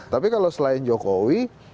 tapi kalau selain jokowi